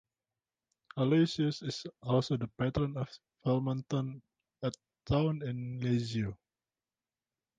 Aloysius is also the patron of Valmontone, a town in Lazio.